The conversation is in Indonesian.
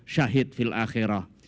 syahid fil akhirah